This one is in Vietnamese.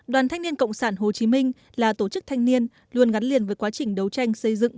đoàn thanh niên cộng sản hồ chí minh là tổ chức thanh niên luôn gắn liền với quá trình đấu tranh xây dựng